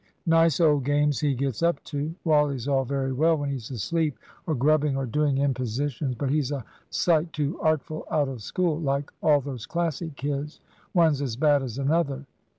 Nice old games he gets up to; Wally's all very well when he's asleep, or grubbing, or doing impositions, but he's a sight too artful out of school, like all those Classic kids. One's as bad as another."